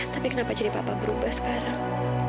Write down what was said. tapi kenapa jadi papa berubah sekarang